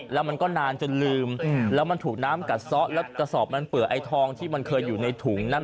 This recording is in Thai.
แล้วมันก็นานจนลืมแล้วมันถูกน้ำกัดซะแล้วกระสอบมันเปื่อไอ้ทองที่มันเคยอยู่ในถุงนั้น